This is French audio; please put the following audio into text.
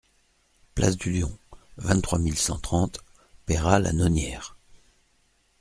Place du Lion, vingt-trois mille cent trente Peyrat-la-Nonière